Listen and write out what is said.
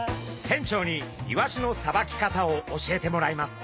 船長にイワシのさばき方を教えてもらいます。